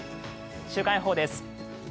週間予報です。